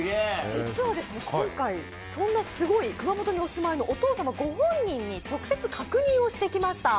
実はそんなすごい熊本にお住まいのお父様ご本人に直接確認をしてきました。